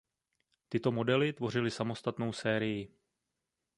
Tyto modely tvořily samostatnou sérii.